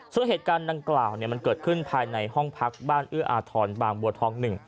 ซึ่งเหตุการณ์ดังกล่าวมันเกิดขึ้นภายในห้องพักบ้านเอื้ออาทรบางบัวทอง๑